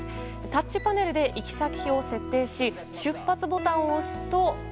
タッチパネルで行き先を設定し出発ボタンを押すと。